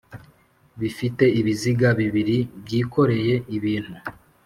bifite ibiziga bibiri byikoreye ibintu